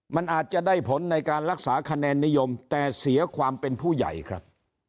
มันอาจจะได้ผลในการรักษาคะแนนนิยมแต่เสียความเป็นผู้ใหญ่ครับ